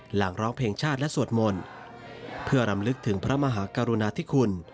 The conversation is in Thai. หลังร้องเพลงชาติและสวดมนต์เพื่อรำลึกถึงพระมหากรุณาธิคุณ